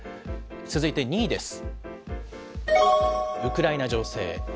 続いて２位です。